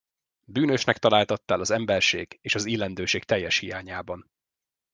Bűnösnek találtattál az emberség és az illendőség teljes hiányában.